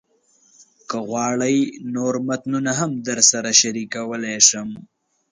که غواړئ، نور متنونه هم درسره شریکولی شم.